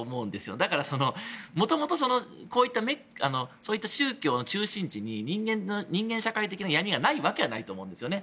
だから、もともとこういった宗教の中心地に人間社会的な闇がないわけがないと思うんですね。